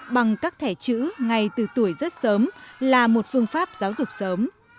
bằng các thẻ chữ ngay từ tuổi rất sớm là một phương pháp giáo dục sớm